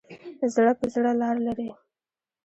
زړه په زړه لار لري.